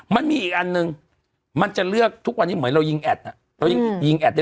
มันมีอีกอันมันจะเลือกทุกวันนี้เหมือนเรายิงแอด